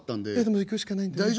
「でも行くしかないんで」。